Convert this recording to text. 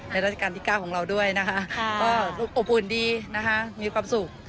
ราชการที่๙ของเราด้วยนะคะก็อบอุ่นดีนะคะมีความสุข